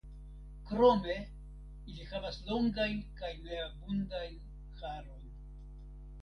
Krome ili havas longajn kaj neabundajn harojn.